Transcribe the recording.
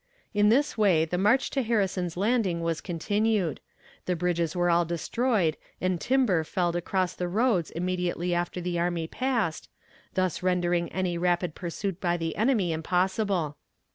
In this way the march to Harrison's Landing was continued; the bridges were all destroyed and timber felled across the roads immediately after the army passed, thus rendering any rapid pursuit by the enemy impossible.